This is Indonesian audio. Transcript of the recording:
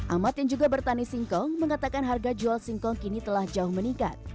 ahmad yang juga bertani singkong mengatakan harga jual singkong kini telah jauh meningkat